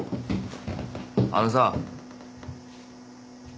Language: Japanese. あのさ。